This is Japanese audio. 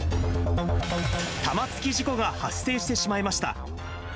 玉突き事故が発生してしまいました。